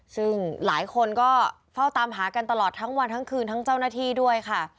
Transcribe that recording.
ซึ่งหลายคนก็เฝ้าตามหากันตลอดทั้งวันทั้งคืนทั้งเจ้าหน้าที่ด้วยค่ะ